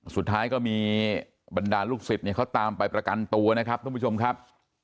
สุดท้ายก็มีบรรดาลูกศิษย์เขาตามไปประกันตัวนะครับทุกผู้ชมครับ